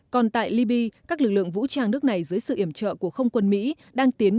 còn tại liby các lực lượng vũ trang nước này dưới sự iểm trợ của không quân mỹ đang tiến